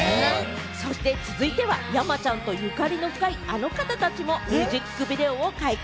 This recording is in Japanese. そして続いては、山ちゃんとゆかりの深いあの方たちのミュージックビデオも解禁？